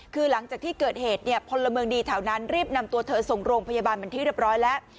คือหลังจากที่เกิดเหตุเนี่ยพลเมืองดีแถวนั้นรีบนำตัวเธอส่งโรงพยาบาลเป็นที่เรียบร้อยแล้ว